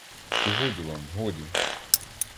І годі вам, годі.